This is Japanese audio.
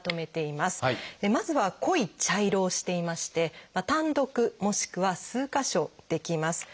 まずは濃い茶色をしていまして単独もしくは数か所出来ます。